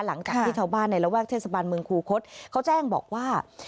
หลังจากที่ชาวบ้านในระแวกเทศบาลเมืองคูคศเขาแจ้งบอกว่า